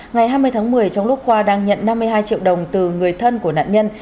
ngày hai mươi tháng một mươi trong lúc khoa đang nhận năm mươi hai triệu đồng từ người thân của nạn nhân